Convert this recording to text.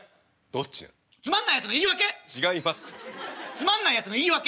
つまんないやつの言い訳。